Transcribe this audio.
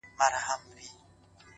كلي كي ملا سومه -چي ستا سومه-